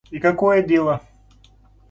И какое дело...